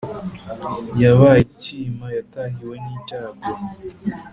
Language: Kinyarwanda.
Yabaye icyima , yatahiwe n’icyago,